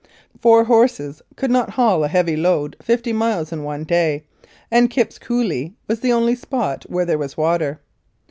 Four horses could not haul a heavy load fifty miles in one day, and Kipp's Coulee was the only spot where there was water.